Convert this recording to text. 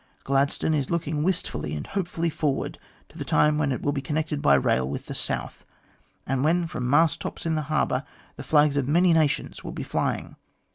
Gladstone is looking wistfully and hopefully forward to the time when it will be connected by rail with the South, and when from mast tops in the harbour the flags of many nations will be flying.